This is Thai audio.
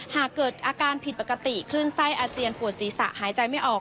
หากเกิดอาการผิดปกติคลื่นไส้อาเจียนปวดศีรษะหายใจไม่ออก